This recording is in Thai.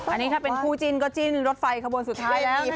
อันนี้ถ้าเป็นคู่จิ้นก็จิ้นรถไฟขบวนสุดท้ายแล้ว